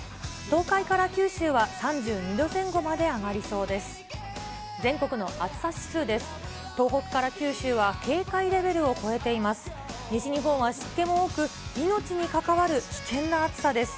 東海から九州は３２度前後まで上がりそうです。